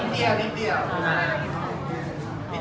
ก็คือเจ้าเม่าคืนนี้